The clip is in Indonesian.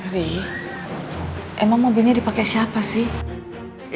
emang mobilnya dipakai siapa sih